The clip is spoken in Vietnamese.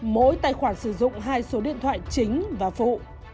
mỗi tài khoản sử dụng hai số điện thoại chính và phụ